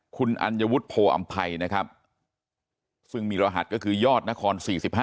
คุณอัญวุฒิโพออำภัยนะครับซึ่งมีรหัสก็คือยอดนคร๔๕